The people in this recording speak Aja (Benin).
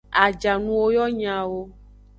Ajanuwo yo nyawo.